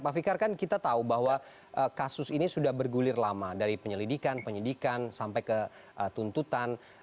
pak fikar kan kita tahu bahwa kasus ini sudah bergulir lama dari penyelidikan penyidikan sampai ke tuntutan